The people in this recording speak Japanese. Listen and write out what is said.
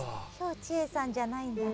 馮智英さんじゃないんだ。